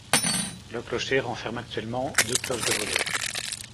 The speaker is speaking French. Le clocher renferme actuellement deux cloches de volée.